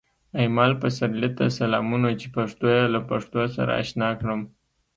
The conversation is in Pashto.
ایمل پسرلي ته سلامونه چې پښتو یې له پښتو سره اشنا کړم